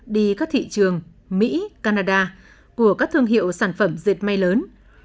đi các thị trường mỹ canada của các thương hiệu sản phẩm dệt may lớn